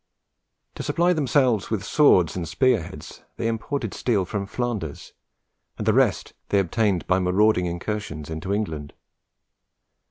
To supply themselves with swords and spearheads, they imported steel from Flanders, and the rest they obtained by marauding incursions into England.